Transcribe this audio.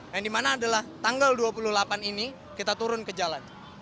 yang dimana adalah tanggal dua puluh delapan ini kita turun ke jalan